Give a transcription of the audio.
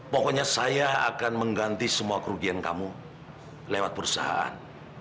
pokoknya saya akan mengganti semua kerugian kamu lewat perusahaan